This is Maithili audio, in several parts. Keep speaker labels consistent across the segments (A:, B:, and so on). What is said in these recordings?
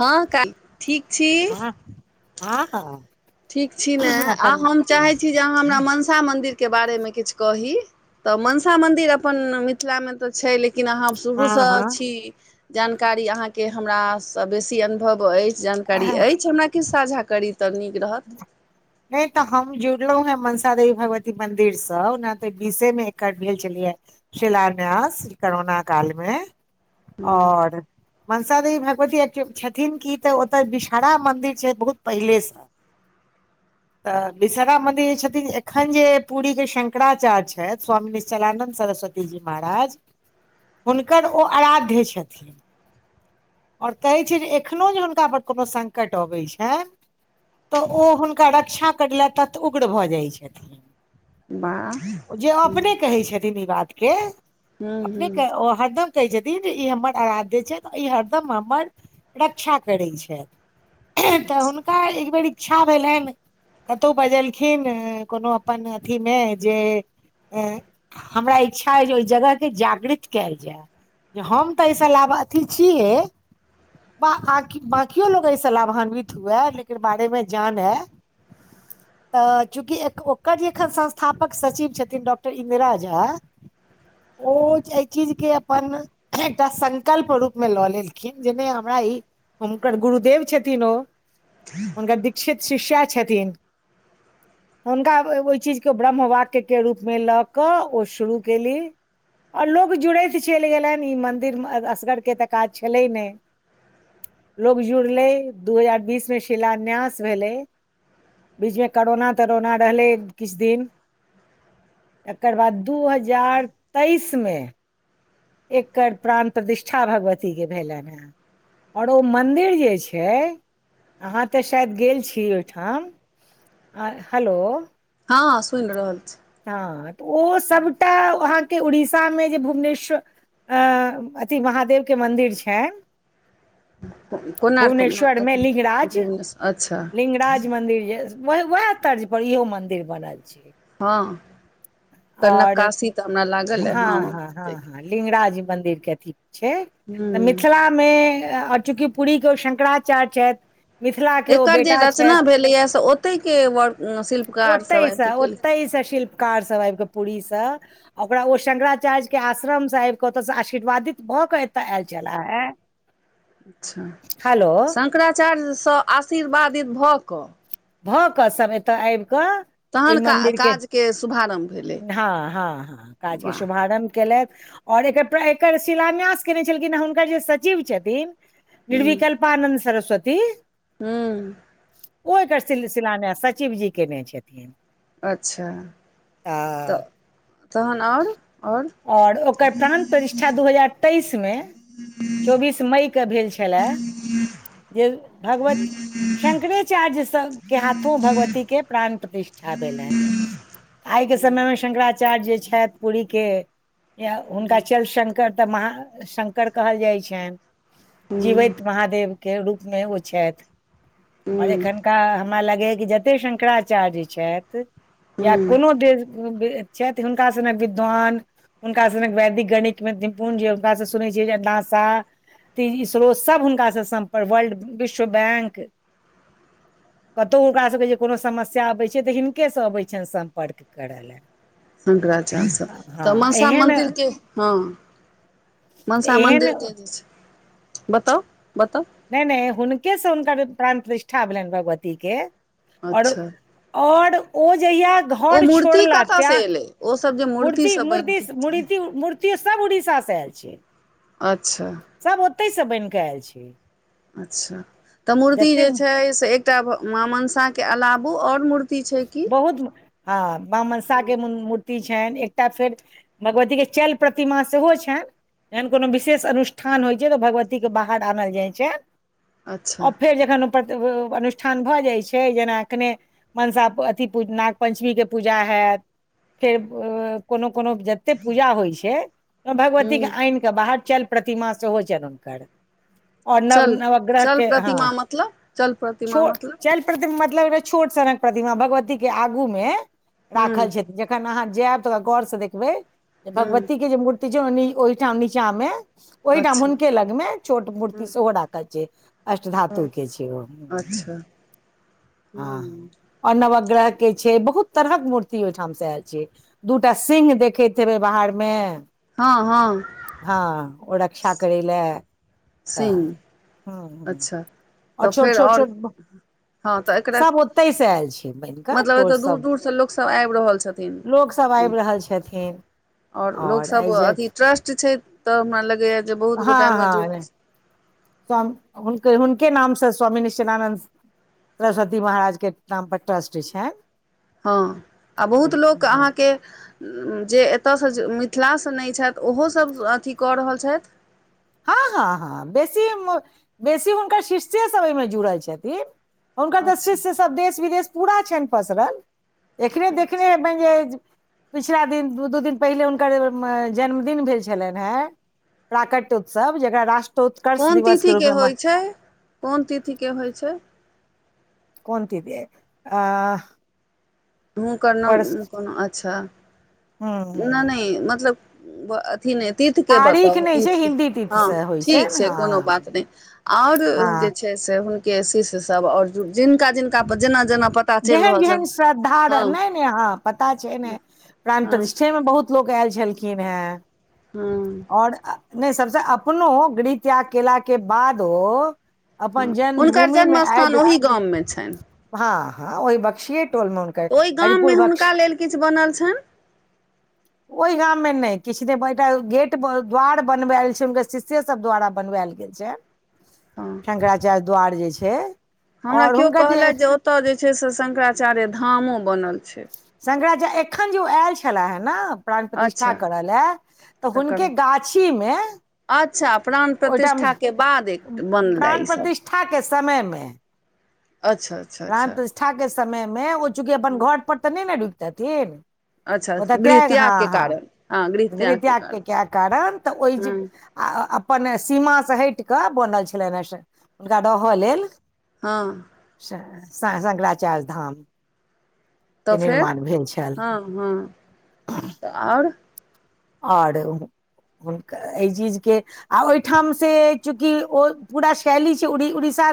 A: हँ का। किठीक छी
B: हँ ह
A: ठीक छी ने आ हम चाहैत छी जे अहाँ हमरा मनसा मन्दिरके बारेमे किछु कही तऽ मनसा मंदिर अपन मिथिला मे तऽ छै लेकिन लेकिन अहा के शुरू से
B: हँ हँ
A: छी जानकारी अहां के हमरा से बेसी अनुभव अछि जानकारी अछि हमरा किछु साझा करी तऽ नीक रहत
B: नहि तऽ हम जुड़लहुँ हेँ मनसा देवी भगवती मन्दिरसँ ओना तऽ बीसेमे एकर भेल छलियै शिलान्यास करोना काल मे और मनसा देवी भगवती छथिन की ते ओतय बिषहरा मंदिर छै बहुत पहिले से तऽ विषहरा मन्दिर जे छथिन एखन जे पुररीके शंकराचार्य स्वामी निश्चलानन्द सरस्वती जी महाराज हुनकर ओ अराध्य छथिन और कहे छै जे एखनो जे हुनका पर कोनो संकट अबैत छै तऽ ओ हुनका रक्षा करलथि तत उग्र भऽ जाइत
A: वाह
B: छथिन जे अपने कहै छथिन ई बात के
A: हूँ
B: अपने
A: हूँ
B: ऊ हरदम कहै छथिन जे ई हमर आराध्य छथि आ ई हरदम हमर रक्षा करैत छथि तऽ हुनका एक बेेर इच्छा भेलइन कतहु बजलखिन ए कोनो अपन अथीमे ए जे हमरा इच्छा अइ जे ओहि जगहके जागृत केल जाय होम तऽ एहिस लाभ अथी छिहे बकियो लोग एहिसँ लाभान्वित हुए एहिके बारे मे जानै
A: [inaudible]
B: तऽ चूँकि ओकर जे एखन संस्थापक सचिव छथिन डॉक्टर इन्दिरा झा ओ एहि चीज के अपन एकटा संकल्प रूपमे लऽ लेलखिन जे ने हमरा ई हुनकर गुरुदेव छथिन ओ
A: ह [unintelligible]
B: हुनकर दीक्षित शिष्या छथिन
A: ह [inaudible]
B: तऽ हुनका ओहि चीजके ब्रह्म वाक्यके रूपमे लऽ कऽ ओ शुरू केली आ ओर लोग जुड़ैत चइलि गेलनि ई मन्दिर मे असगरके तऽ काज छलै नहि लोग जुड़लै दू हजार बीस में शिलान्यास भेलै बीचमे करोना तरोना रहलै किछ दिन एकर बाद दू हजार तेइस मे एकर प्राण प्रतिष्ठा भगवती के भेलनि हेँ आओर ओ मन्दिर जे छै अहाँ तऽ शायद गेल छी ओहिठाम आ हेलो
A: हँ सुनि रहल छी
B: हँ तऽ ओ सबटा अहाँके उड़ीसामे जे भुवनेश्वर अ अथी महादेव के मंन्दिर छै
A: कोणार्क
B: भुवनेश्वर मे लिंगराज
A: भुवनेश्वर अच्छा
B: लिंगराज मन्दिर जे वैह वैह तर्ज पर इहो मंदिर बनल छै
A: हँ कर
B: आओर
A: नक्कशी तऽ हमरा लागल हइ हँ
B: हँ लिंगराज मंदिर के अथी छै तऽ
A: हूँ
B: मिथिलामे आओ चूँकि पूरीके ओ शंकराचार्य छथि मिथिला के ओ
A: एकर जे
B: बेटा छथि
A: रचना भेलैए से ओतहिके व शिल्पकारसभ
B: ओतय
A: आबि कऽ
B: स
A: केलखिन
B: ओतय स शिल्पकार सब आबि कऽ पूरी स ओकरा ओ शंकराचार्यके आश्रम सँ आबिके ओतयसँ आशीर्वादित भऽ कऽ एतय आयल छलाह हे
A: अच्छा
B: हेलो
A: शंकराचार्यसँ आशीर्वादित भऽ कऽ
B: भऽ कऽ सब एतऽ आबि कऽ ओइ
A: तहन का
B: मन्दिरके
A: काजके शुभारम्भ भेलै
B: हँ हँ हँ काजके
A: वाह
B: शुभारम्भ केलथि आओर एकर एकर शिलान्यास केयने छलखिन हेँ हुनकर जे सचिव छथिन निरविकल्पानन्द सरस्वती
A: हूँ
B: ओ एकर सिल सिलान्यास सचिव जी केने छथिन।
A: अच्छा तऽ तहन आओर
B: आओर ओकर प्राण प्रतिष्ठा दू हजार तेइस मे चौबीस मईके भेल छलए जे भगवत शंकरेचार्य सभ के हाथो भगवतीके प्राण प्रतिष्ठा भेलनि आइके समयमे शंकराचार्य जे छथि पुरीके हुनका चल संग तऽ महा शंकर कहल जाइ छनि।
A: ह्म
B: जीवैत महादेवके रूपमे ओ छथि। आओर
A: ह्म
B: एखनका हमरा लगैए कि जते शंकराचार्य छथि। या
A: ह्म
B: कोनो देव चति हुन विद्वान हुनका सनक वैदिक गणितमे निपुण जे हुनकासँ सुनै छियै जे नाशा तऽ इसरो सभ हुनकासँ सम्पर्क वर्ल्ड विश्व बैंक कतौ हुनकासभके जे कोनो समस्या अबैत छै तऽ हिनकेसँ अबै छनि सम्पर्क करऽ ले।
A: शंकराचार्य स तऽ मनसा
B: एहन
A: मन्दिरके हँ मनसा
B: एहन
A: मन्दिर के जे छै बताउ बताउ
B: नय नय हुनके से हुनकर प्राण प्रतिष्ठा भेलनि भगवती के आओर
A: अच्छा
B: आओर ओ जहिया घर छोड़ला त्या
A: ओ सब जे
B: मूर्ति
A: मूर्तिसभ बनि
B: मूर्ति
A: कऽ
B: मूर्ति मूर्तियो सभ उड़ीसासँ आयल छै।
A: अच्छा
B: सभ ओतहिसँ बनि कऽ आयल छै।
A: अच्छा तऽ मूर्ति
B: जते
A: जे छै से एकटा मा मंसाके अलावो आओर मूर्ति छै कि
B: बहुत हँ मा मनसा के मुर्ति छनि एकटा फेर भगवतीके चल प्रतिमा सेहो छनि। एहन कोनो विशेष अनुष्ठान होइ छै तऽ भगवतीके बाहर आनल जाइ छै
A: अच्छा
B: आ फेर जखन ओ अनुष्ठान भऽ जाइत छै जेना कने मनसा अथी नाग पञ्चमी के पूजा होयत फेर कोनो कोनो ओते पूजा होय छै ओ भगवतीके
A: हूँ
B: अैन कऽ बाहर चैल प्रतिमा सेहो चरण कर और नव-
A: चल चल
B: नवग्रहके हँ
A: प्रतिमा मतलब चल
B: [inaudible]
A: प्रतिमा
B: छोड़
A: मतलब
B: चल [inaudible] मतलब छोट सनक प्रतिमा भगवती के आगू मे
A: हूँ
B: राखल छथि एखन आहाँ जैब त गौर से देखबेै
A: हूँ
B: भगवती के जे मुर [unintelligible] ओहिठाम
A: अच्छा
B: हुनके लग में छोट मूर्ति
A: हूँ
B: सेहो राखल छै अष्ट धातु के छै ओ
A: अच्छा [inaudible] हूँ
B: आ नवग्रह के छै बहुत तरहक मूर्ति ओहिठाम से आयल छै दूटा सिंह देखैत हेबै बाहर में
A: हँ हँ
B: हँ ओ रक्षा करै लेए
A: सिंग अच्छा तऽ
B: छोट
A: फेर
B: छोट
A: और
B: छोट
A: हँ तऽ एकरा
B: सब ओतहि से आयल छै बनि कऽ
A: मतलब
B: टोल
A: एतय दूर
B: सब
A: -दूर स लोकसब अैब रहल छथिन
B: लोक सब आबि रहल छथिन
A: ओर लोक
B: और
A: सब
B: एहि जे
A: अथी ट्रस्ट छै तऽ हमरा लगैया जे बहुत गोटा
B: हँ
A: ऐम जुड़
B: हँ [unintelligible] हुनके हुनके नामसँ स्वामी निश्चलानन्द सरस्वती महाराज के नाम पर ट्रस्ट छैन
A: हँ आ बहुत लोक अहाँ के जे एतऽसँ मिथिलासँ नय छैथ ओहो सभ अथी कऽ रहल छैथ
B: हँ हँ हँ बेसी बेसी हुनकर शिष्ये सब एइ मे जुड़ल छथिन हुनकर तऽ
A: अच्छा
B: शिष्य सब देश विदेश पूरा छैन पसरल एखने देखने हेबैन जे पिछला दिन दू दू दिन पहिले हुनकर जन्मदिन भेल छलैन हेंन प्राकट उत्सव जकरा रष्ट्र
A: कोन तिथि के होय छैय कोन तिथि के होय छैय
B: कोन ती [unintelligible] आंह
A: हुनकर नाम कोनो अच्छा ओना
B: ह
A: नै मतलब तीथ के
B: तारीख
A: बताओ
B: नहि
A: तीथ
B: छै
A: के
B: हिन्दी
A: ह
B: तिथि से होइ
A: ठीक
B: ने
A: छै कोनो बात
B: हँ
A: नैय ओर जे
B: हँ
A: छै हुनके शिष्य सब और जिनका जिनका जेना जेना पता चलि
B: जेहन
A: रहल
B: जेहन
A: छनि
B: श्रद्धा रहै
A: हँ
B: नेै नै ह पता छै न
A: हँ
B: प्राणप्रठिष्ठे मे बहुत लोक ऐल छेलखिन हैं
A: हुँ
B: ओर नै सबसे अपनो गृह त्याग केला के बादो अपन
A: हँ हुनकर
B: जन्मभूमि में
A: जन्म स्थान
B: अैब
A: ओहि गाममे छनि
B: ह ह ओहि बक्सीेय टोल मे हुनकर
A: ओय
B: हरिपुर
A: गाममे
B: बक्स
A: हुनका लेल किछ बनल छैन
B: ओय गाम मे नेै किछ नै गेट द्वार बनवायल छै हुनकर शिष्ये सब द्वारा बनवाइल [inaudible] छैय
A: हँ
B: शंकराचार्य द्वार जे छैय
A: हमरा केओ कहलैथ जे ओत जे छै से शंकराचार्य धामो बनल छै
B: शंकराचार्य एखन जे ओ आयल छेला हन न प्राण प्रतिष्ठा
A: अच्छा
B: करलेय तऽ हुनके
A: तकर
B: गाछी में
A: अच्छा प्राण प्रतिष्ठा के बाद एक बनले
B: प्राणप्रतिष्ठा के समय मे
A: अच्छा अच्छा अच्छा
B: प्राणपरतिष्ठाके समय मे ओ चूँकि अपन घरपर तऽ नै। ने बैठतथिनह।
A: अच्छा
B: ओतऽ
A: गृह
B: त्याग हँ
A: त्यागके
B: हँ
A: कारण हँ
B: गृह
A: त्यागके
B: त्याग के
A: कारण
B: क कारण तऽ ओहि जे
A: हँ
B: अपन सीमाा से हैट कऽ बनल रहै छेलैन हुनका रहअ लेल
A: ह
B: शंकराचार्य धाम केनिर्माण भेल छैल
A: हु तऽ और
B: आौर हुनकर एहि चीजके आ ओहिठाम से चूँकि ओ पूरा शैली छै उड़ीसा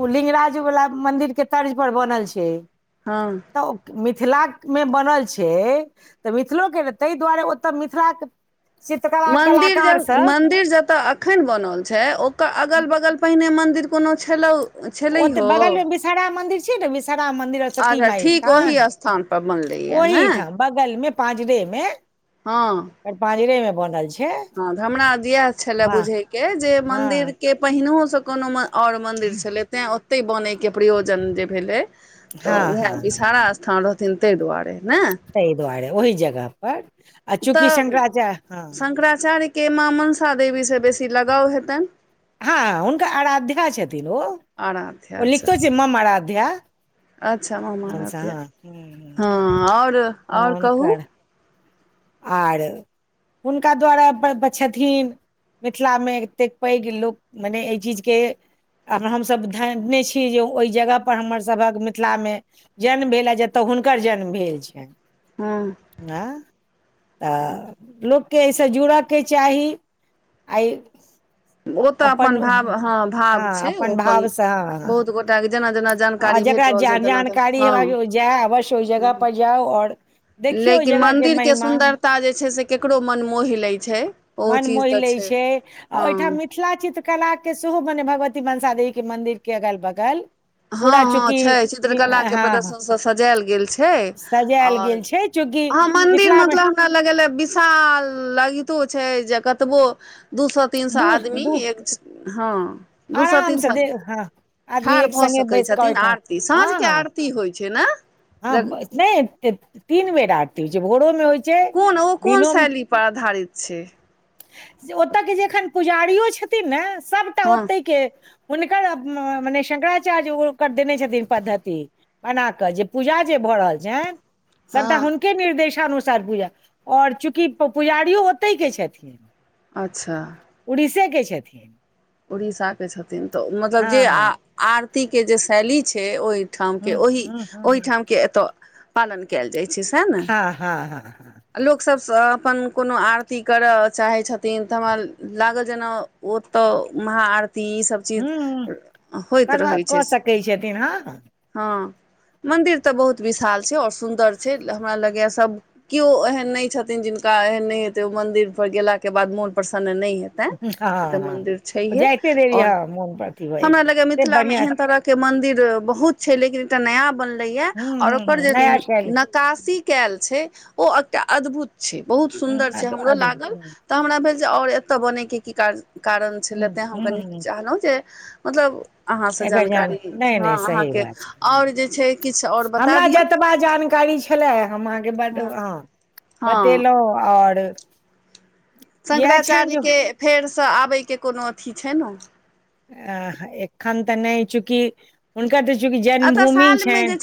B: उ लिंगराज वाला मंन्दिर के तर्ज पर बनल छैय
A: हँ
B: तऽ मिथिला मे बनल छै तऽ मिथिलोके ताहि दुआरे तऽ मिथिला के
A: मन्दिर ज मन्दिर जतऽ एखन बनल छै ओकर अगल -बगल पहिने मंन्दिर कोनो छलौ
B: ओते
A: छलैहो
B: बगल मे विषहारा मंन्दिर छै ने विषहारा मंन्दिर सती
A: अच्छा
B: माय
A: ठीक ओहि
B: स्थान
A: पर बनलैया ने
B: ओहिठाम बगल मे पाँजरे मे
A: हँ
B: यहिपआजरे मे बनल छै
A: हँ हमरा इएह छले
B: हँ
A: बुझे के जे मंदिर
B: हँ
A: के पहिनोसँ कोनो ओर मन्दिर छलै तैँ ओतहि बनैके प्रयोजन जे भेलै
B: हँ
A: तऽ उएह
B: हँ हँ
A: विषहारा स्थान रहथिन ताहि दुआरे ने
B: ताहि दुआरे ओहि जगह पर आ चूँकि
A: तऽ
B: शंकराचार्य हँ
A: शंकराचार्य के माँ मनसा देवीसँ बेसी लगाव हेताइन
B: हँ हुनकर आराध्या छथिन ओ
A: आराध्या
B: ओ
A: अच्छा
B: लिखतो छथि
A: अच्छा
B: मम अराध्या
A: अच्छा मम अराध्या हँ आओर आओर कहू
B: हुनकर आर हुनका द्वारे। अपर पर छथिन मिथिलामे एतेक पैघ लोक भेलएहि चीजके अगर हमसभ झांपने छीजे ओहि जगहपर हमर सभहक मिथिलामे जन्म भेलए जतय हुनकर जन्म भेल छनि
A: हँम्म
B: आँ तऽ लोककेँ एहिसँ जुड़यके चाही आइ
A: ओ तऽ
B: अपन
A: भाव हँ भाव
B: हँ
A: छै ओ
B: अपन भावसँ हँ हँ
A: बहुत गोटाके जेना जेना
B: आ
A: जानकारी भेट
B: जकरा ज
A: रहल छै तेना
B: जानकारी
A: तेना
B: हेबाक जाय अवश्य ओहि
A: हँ
B: जगह पर जाउ आओर देखियौ ओहि
A: लेकिन
B: जगहके
A: मंन्दिर के सुन्दर
B: महिमा
A: सुन्दरता जे छै से ककरो मन मोहि लै छै ओहो
B: मन
A: चीज
B: मोहि
A: तऽ
B: लै
A: छै
B: आ
A: हँ
B: ओहिठाम मिथिला कला के सेहो मने भगवती मनसा देवी के मंन्दिर के अगल बगल
A: हँ
B: पूरा
A: हँ
B: चूँकि
A: छै
B: मि
A: चित्रकलाके
B: हँ हँ
A: प्रदर्शनसभ सजायल गेल छै
B: सजायल
A: आओर
B: गेल छै चूँकि
A: अहामंदिर
B: मिथिला मे
A: मतलब हमरा विशाल लगितो छै जे कतबो दू स तीन सए आदमी एक हँ दू सए तीन
B: आरामसँ दे
A: सए
B: हँ आज भी
A: ठाढ़
B: एक
A: भऽ
B: संग
A: सकैत
B: बस क ऐ
A: छथिन
B: ठ
A: आरती साँझके
B: हँ
A: आरती होइ छै
B: हँ
A: ने
B: नहि तीन बेर आरती होइ छै भोरो मे होइ छै
A: कोन ओ कोन शैली पर आधारित छै
B: जे ओतऽ केँ जे एखन पुजारियो छथिन नऽ सब
A: हँ
B: केँ हुनकर मने शंकराचार्य ओकर देने छथिन पद्धति बना कऽ जे पूजा जे भऽ रहल छैन सभटा
A: हँ
B: हुन केँ निर्देशानुसार पूजा आओर चूँकि पुजारियो ओते केँ छथिन
A: अच्छऽ
B: उड़ीसे केँ छथिन
A: उड़ीसा केँ छथिन तऽ मतलब जे
B: हँ
A: आ
B: हँ
A: आरती केँ जे शैली छै ओय ठाम
B: हूँ
A: ओहि
B: हूँ हूँ हूँ
A: ओहिठाम केँ एतय पालन कैल जाइ छै सैह नऽ
B: आ हँ हँ हँ
A: लोकसभसँ अपन कोनो आरती करऽ चाहै छथिन तऽ हमरा लागल जेना ओतऽ महाआरती ई सब चीज
B: हूँ
A: होइत
B: करबा
A: रहै छै
B: कऽ सकै छथिन हँ हँ
A: हँ मन्दिर तऽ बहुत विशाल छै आओर सुन्दर छै हमरा लगैय सभ केओ एहेन नय छथिन जिनका एहन नय हेतै ओ मन्दिर पर गेला केँ बाद मोन प्रसन्न नय हे तै ई
B: हँ
A: तऽ मदिर
B: हँ
A: छैहे
B: जाइते देरी
A: आओर
B: हँ मोन पर अथी भऽ जाइ
A: हमरा लगैय
B: छै से
A: मिथिला मे
B: बढ़िआँ
A: एहेन तरहक केँ मंदिर बहुत छै लेकिन एकटा नया बनले यऽ
B: हूँ
A: आओर
B: हूँ
A: ओकर
B: हूँ
A: जे
B: नया शैली
A: न कशी कैल छै ओ एकटा अद्भुत छै बहुत
B: हूँ
A: सुन्दर छै
B: अद्भुत
A: हमरो लागल
B: अद्भुत।
A: तऽ हमरा भेल जे आओर एतय बनय केँ की काज कारण
B: हूं
A: छलै तैँ हम कनि
B: हूं
A: चाहलहुँ जे मतलब अहाँसँ
B: एकर जान
A: जानकारी लित
B: नहि
A: हँ
B: नहि सही
A: अहाँकेँ
B: बात छै
A: आओर
B: हम्म।
A: जे छै किछ आओर बता
B: हमरा
A: दिअ।
B: जतबा जानकारी छेला हम अहाँकेँ बट हँ
A: हँ
B: बतेलहुँ आओर। इएह छनि
A: शंकराचार्य
B: जे
A: केँ फेरसँ आबय कऽ कोनो अथी छै नऽ।
B: अ एखन तऽ नय चूँकि हुनकर तऽ चूँकि जन्मभूमि छैन।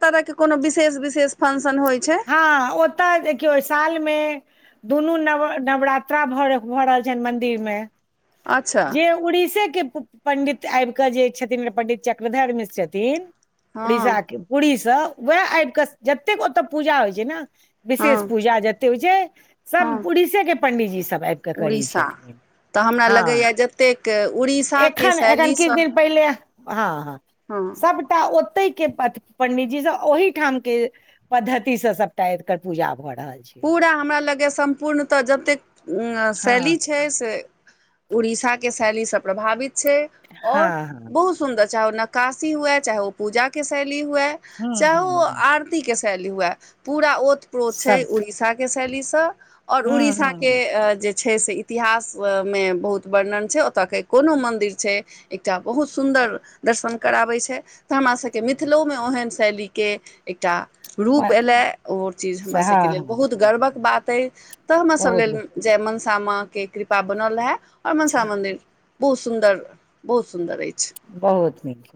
A: तरह केँ कोनो विशेष विशेष फंनशन होइ छै।
B: हँ ओतऽ देखियौ सालमे। दुनू नव नवरात्रा भऽ भऽ रहल छैन मंदिर मे।
A: अच्छा
B: जे उड़ीसे केँ पु पु पंडित आइब कऽ जे छथिन पंडित चक्रधर मिश्र छथिन
A: हँ
B: उड़ीसा केँ। पूड़ी सँ वैह आब कऽ जतेक ओतऽ पूजा होइ छै नऽ विशेष
A: हँ
B: पूजा ज। ते हेइ छै
A: हँ
B: सब उड़ीसे केँ पंडीजी सब आइब कऽ करै
A: उड़ीसा
B: छथिन।
A: तऽ हमरा
B: हँ
A: लगैए जतेक उड़ीसाके
B: एखन एखन किछ
A: शैलीसँ
B: दिन पहिले। हँ हँ सभटा ओतहि केँ पथ पंडीजी सब ओहिठाम केँ। पद्धति सँ सबटा एक तऽ पूजा भऽ रहल छै।
A: पूरा हमरा लगे सम्पूर्णतः जतेक
B: हँ
A: शैली छै से उड़ीसा के शैलीसँ प्रभावित छै आओर
B: हँ हँ
A: बहुत। सुन्दर छै चाहे ओ नक्कासी हुए चाहे ओ पूजा केँ शैली हुए
B: हूँ
A: चाहे ओ
B: हूँ हूँ
A: आर ती केँ शैली हुए पूरा ओतप्रोत छै
B: सब
A: उड़ीसा केँ शैलीसँ। आओर
B: हूँ
A: उड़ीसा
B: हूँ हूँ
A: केँ अ जे। छै से इतिहासमे बहुत वर्णन छै ओतऽ केँ कोनो मन्दिर छै। एकटा बहुत सुन्दर दर्शन कराबै छै तऽ हमरा सभ। केँ मिथिलोमे ओहन शैलीके एकटा रूप एलै ओर चीज हमरा सभके
B: हँ
A: लेल। बहुत गर्वक
B: हँ
A: बात अइ तऽ हमर सभ
B: बहुत
A: लेल जय मनसामा केँ कृपा बनल रेहा। आ मनसा मन्दिर बहुत सुन्दर बहुत सुन्दर अछि।
B: बहुत नीक